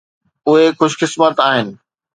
اهي خوش قسمت آهن.